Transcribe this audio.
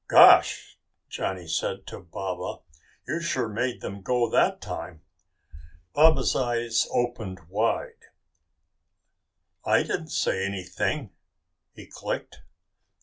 "Gosh," Johnny said to Baba, "you sure made them go that time." Baba's eyes opened wide. "I didn't say anything," he clicked.